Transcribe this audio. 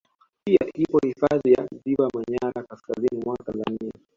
Pia ipo hifadhi ya Ziwa manyara kaskazini mwa Tanzania